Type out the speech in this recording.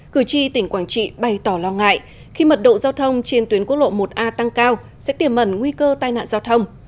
cử tri tỉnh quảng trị bày tỏ lo ngại khi mật độ giao thông trên tuyến quốc lộ một a tăng cao sẽ tiềm mẩn nguy cơ tai nạn giao thông